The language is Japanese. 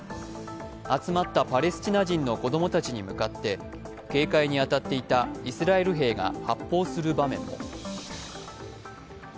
集まったパレスチナ人の子供たちに向かって警戒に当たっていたイスラエル兵が発砲する場面も。